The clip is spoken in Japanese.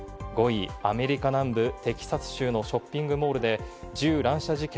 ５位、アメリカ南部テキサス州のショッピングモールで銃乱射事件。